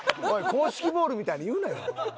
硬式ボールみたいに言うなよ！